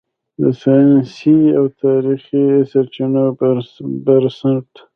د "ساینسي او تاریخي سرچینو" پر بنسټ